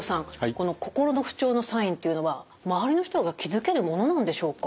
この心の不調のサインというのは周りの人が気付けるものなんでしょうか？